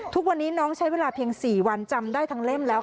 ทุกวันนี้น้องใช้เวลาเพียง๔วันจำได้ทั้งเล่มแล้วค่ะ